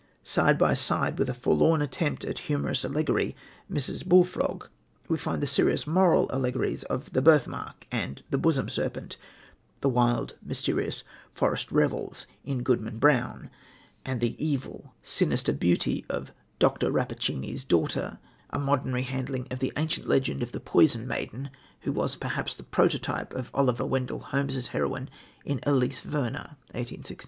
Side by side with a forlorn attempt at humorous allegory, Mrs. Bullfrog, we find the serious moral allegories of The Birthmark and The Bosom Serpent, the wild, mysterious forest revels in Goodman Brown, and the evil, sinister beauty of Dr. Rappacini's Daughter, a modern rehandling of the ancient legend of the poison maiden, who was perhaps the prototype of Oliver Wendell Holmes' heroine in Elsie Venner (1861).